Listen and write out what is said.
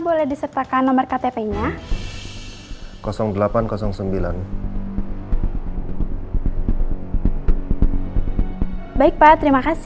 bisa disertakan nomor ktp nya delapan ratus sembilan baik pak terima kasih